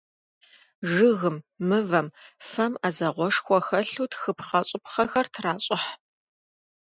Жыгым, мывэм, фэм Ӏэзагъэшхуэ хэлъу тхыпхъэщӀыпхъэхэр тращӀыхь.